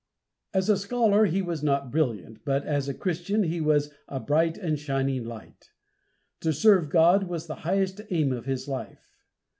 As a scholar he was not brilliant, but as a Christian he was "a bright and shining light." To serve God was the highest aim of his life.